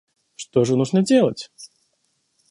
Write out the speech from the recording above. Что же нужно делать?